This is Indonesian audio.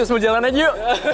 semua jalan aja yuk